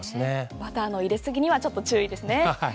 バターの入れすぎにはちょっと注意ですね。